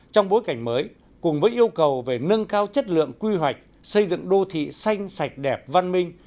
trong bối cảnh mới cùng với yêu cầu về nâng cao chất lượng quy hoạch xây dựng đô thị xanh sạch đẹp văn minh